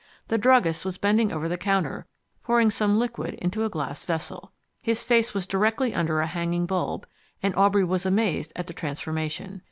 The druggist was bending over the counter, pouring some liquid into a glass vessel. His face was directly under a hanging bulb, and Aubrey was amazed at the transformation.